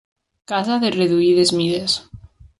Casa de reduïdes mides.